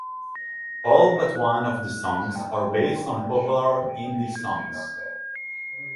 All but one of the songs are based on popular Hindi songs.